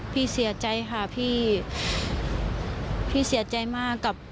พี่เสียใจค่ะพี่เสียใจมาก